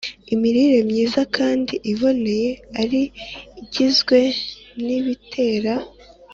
imirire myiza kandi iboneye ari igizwe n’ibitera